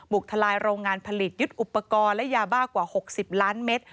ทลายโรงงานผลิตยึดอุปกรณ์และยาบ้ากว่า๖๐ล้านเมตร